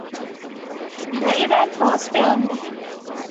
The event was filmed.